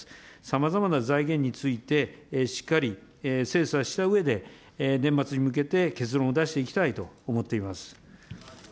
さまざまな財源について、しっかり精査したうえで、年末に向けて結論を出していきたいと思っております。